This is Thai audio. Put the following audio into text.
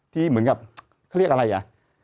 ที่เหมือนกับเขาเรียกอะไรอ่ะ